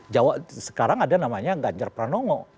jawa sekarang ada namanya ganjar pranowo